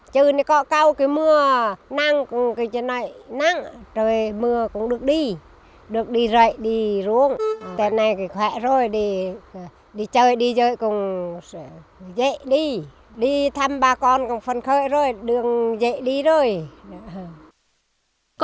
cây cầu trân rò